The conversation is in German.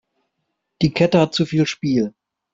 Die Kette hat zu viel Spiel.